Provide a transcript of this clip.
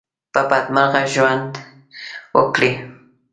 په بدمرغي ژوند وکړو.